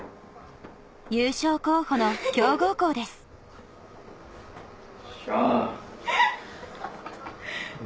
優勝候補の強豪校ですしゃあ！